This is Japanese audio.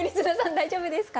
大丈夫ですか？